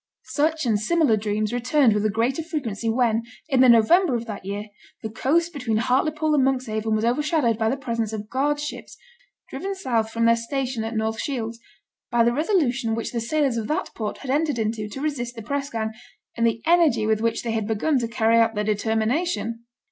Such and similar dreams returned with the greater frequency when, in the November of that year, the coast between Hartlepool and Monkshaven was overshadowed by the presence of guard ships, driven south from their station at North Shields by the resolution which the sailors of that port had entered into to resist the press gang, and the energy with which they had begun to carry out their determination.